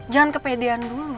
jangan kepidian dulu